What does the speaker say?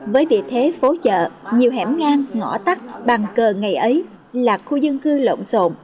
với địa thế phố chợ nhiều hẻm ngang ngõ tắt bàn cờ ngày ấy là khu dân cư lộn xộn